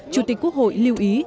chủ tịch quốc hội lưu ý